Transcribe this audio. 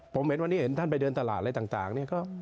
ผมเห็นวันนี้เห็นท่านไปเดินตลาดอะไรต่างเนี่ย